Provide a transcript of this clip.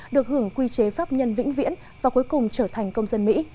được hưởng quy chế pháp nhân vĩnh viễn và cuối cùng trở thành công dân mỹ